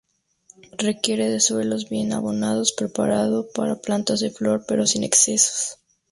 Requiere de suelos bien abonados, preparado para plantas de flor, pero sin excesos.